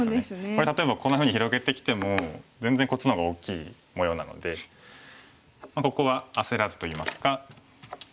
これ例えばこんなふうに広げてきても全然こっちの方が大きい模様なのでここは焦らずといいますか。